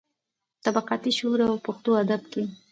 طبقاتي شعور او پښتو ادب کې.